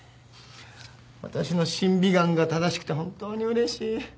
私の審美眼が正しくて本当にうれしい。